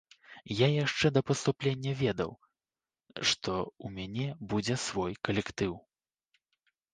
Я яшчэ да паступлення ведаў, што ў мяне будзе свой калектыў.